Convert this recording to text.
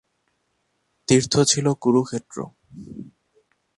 তীর্থ ছিল কুরুক্ষেত্র।